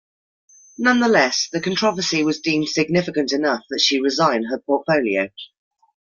Nonetheless, the controversy was deemed significant enough that she resign her portfolio.